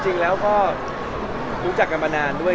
จริงแล้วก็รู้จักกันมานานด้วย